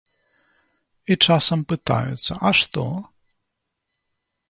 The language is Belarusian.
І часам пытаюцца, а што?